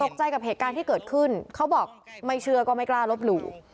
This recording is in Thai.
ตกใจกับเหตุการณ์ที่เกิดขึ้นเขาบอกไม่เชื่อก็ไม่กล้าลบหลู่